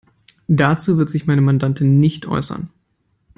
Dazu wird sich meine Mandantin nicht äußern.